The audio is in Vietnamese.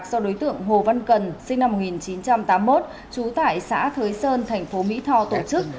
tụ điểm cờ bạc do đối tượng hồ văn cần sinh năm một nghìn chín trăm tám mươi một trú tại xã thới sơn thành phố mỹ thò tổ chức